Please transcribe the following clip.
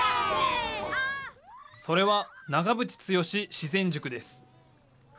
それは、長渕剛自然塾です。